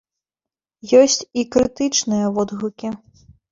Ёсць і крытычныя водгукі.